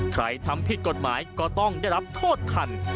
ทำผิดกฎหมายก็ต้องได้รับโทษทัน